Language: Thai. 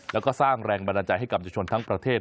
แล้วก็สร้างแรงบันดาลใจให้กับยุชนทั้งประเทศ